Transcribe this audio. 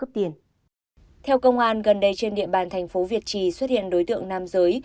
theo công an gần đây trên địa bàn thành phố việt trì xuất hiện đối tượng nam giới